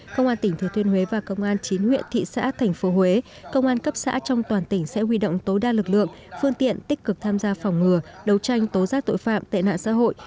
công an tỉnh thừa thiên huế và công an chín huyện thị xã thành phố huế công an cấp xã trong toàn tỉnh sẽ huy động tối đa lực lượng phương tiện tích cực tham gia phòng ngừa đấu tranh tố giác tội phạm tệ nạn xã hội